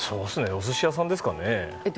お寿司屋さんですかね。